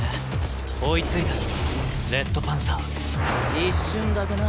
一瞬だけな。